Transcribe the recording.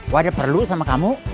wak ada perlu sama kamu